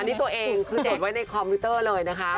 อันนี้ตัวเองคือจดไว้ในคอมพิวเตอร์เลยนะคะ